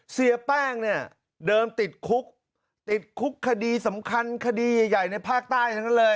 เสียแป้งเนี่ยเดิมติดคุกติดคุกคดีสำคัญคดีใหญ่ในภาคใต้ทั้งนั้นเลย